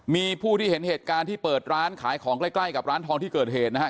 มีผู้ที่เห็นเหตุการณ์ที่เปิดร้านขายของใกล้กับร้านทองที่เกิดเหตุนะฮะ